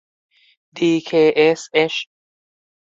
ดีเคเอสเอช